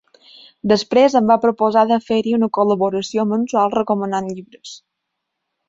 Després em va proposar de fer-hi una col·laboració mensual recomanant llibres.